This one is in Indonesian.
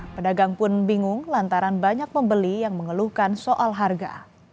pedagang pun bingung lantaran banyak pembeli yang mengeluhkan soal harga